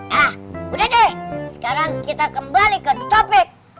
nah udah deh sekarang kita kembali ke topik